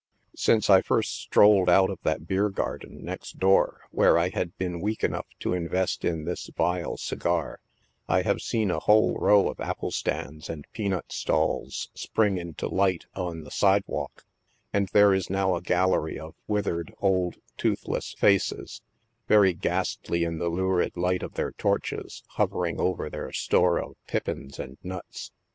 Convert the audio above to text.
Since I first strolled out of that beer garden next door where I had been weak enough to invest in this vile segar, I have seen a whole row of apple stands and pea nut stalls spring into light on the sidewalk, and there is now a gallery of withered old, toothless faces, very ghastly in the lurid light of their torches hovering over their store of pippins and nuts.